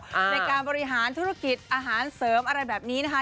ในการบริหารธุรกิจอาหารเสริมอะไรแบบนี้นะคะ